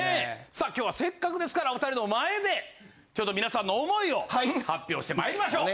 さあ今日はせっかくですからお２人の前で皆さんの思いを発表してまいりましょう。